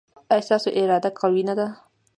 ایا ستاسو اراده قوي نه ده؟